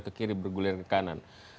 ke kiri bergulir ke kanan